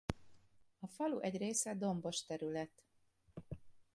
A falu egy része dombos terület.